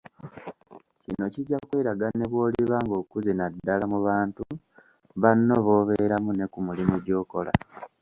Kino kijja kweraga ne bw'oliba ng'okuze naddala mu bantu banno b'obeeramu, ne ku mulimu gy'okola.